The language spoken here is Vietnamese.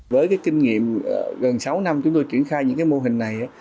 với kinh nghiệm gần sáu năm chúng tôi triển khai những mô hình này